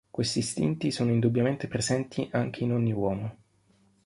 Questi istinti sono indubbiamente presenti anche in ogni uomo.